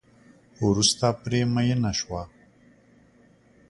وروسته پرې میېنه شوه.